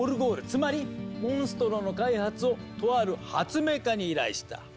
つまり「モンストロ」の開発をとある発明家に依頼した。